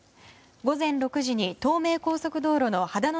午前６時に東名高速道路の秦野